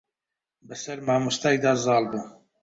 بە سەر مامۆستای دا زاڵ بوو.